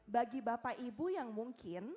bagi bapak ibu yang mungkin